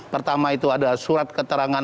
pertama itu ada surat keterangan